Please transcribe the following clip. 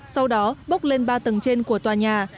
sau đó bốc lên ba tầng trên của tòa nhà